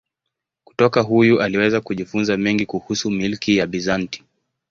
Kutoka huyu aliweza kujifunza mengi kuhusu milki ya Bizanti.